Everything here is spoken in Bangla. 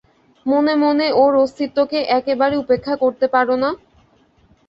মনে মনে ওর অস্তিত্বকে একেবারে উপেক্ষা করতে পার না?